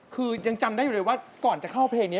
คือยังจำได้อยู่เลยว่าก่อนจะเข้าเพลงนี้